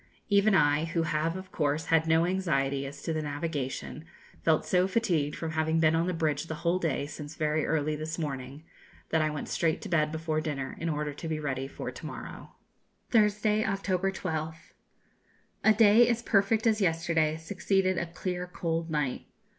Even I, who have of course had no anxiety as to the navigation, felt so fatigued from having been on the bridge the whole day since very early this morning, that I went straight to bed before dinner, in order to be ready for to morrow. [Illustration: Indian Reach] Thursday, October 12th. A day as perfect as yesterday succeeded a clear cold night.